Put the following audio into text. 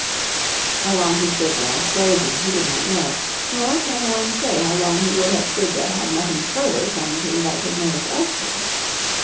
How long he stood there, frozen, he did not know; nor can one say how long he would have stood there had nothing further come to invite his notice elsewhere.